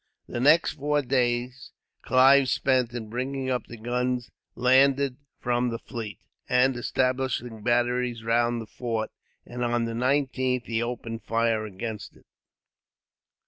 The next four days Clive spent in bringing up the guns landed from the fleet, and establishing batteries round the fort; and on the 19th he opened fire against it.